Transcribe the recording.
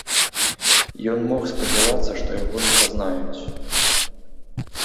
Ён мог спадзявацца, што яго не пазнаюць.